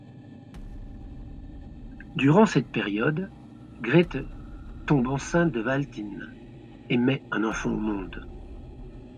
Durant cette période, Grete tombe enceinte de Valtin et met un enfant au monde.